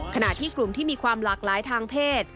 ขณะที่กลุ่มที่มีความหลากหลายทางเพศ